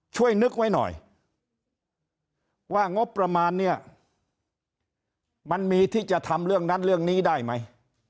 ช่วยนึกไว้หน่อยว่างบประมาณเนี่ยมันมีที่จะทำเรื่องนั้นเรื่องนี้ได้ไหม